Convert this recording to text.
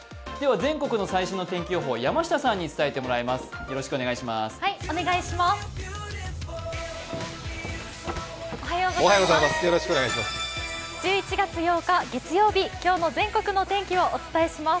全国の最新の天気予報を山下さんに伝えてもらいます。